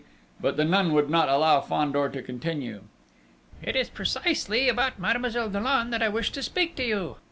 But the nun would not allow Fandor to continue. "It is precisely about Mademoiselle Dollon that I wish to speak to you....